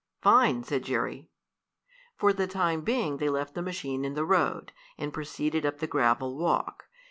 "Fine!" said Jerry. For the time being they left the machine in the road, and proceeded up the gravel walk.